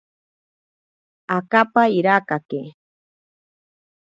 Akapa irakake.